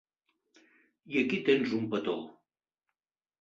I aquí tens un petó.